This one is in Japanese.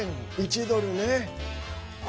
１ドルね。